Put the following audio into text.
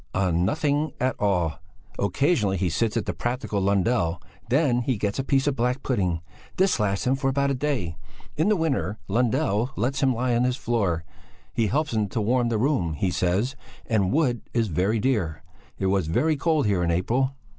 "On nothing at all! Occasionally he sits to the practical Lundell and then he gets a piece of black pudding. This lasts him for about a day. In the winter Lundell lets him lie on his floor; 'he helps to warm the room,' he says, and wood is very dear; it was very cold here in April."